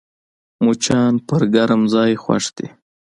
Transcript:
مچان پر ګرم ځای خوښ وي